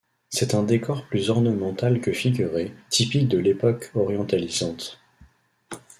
C'est un décor plus ornemental que figuré, typique de l’Époque Orientalisante.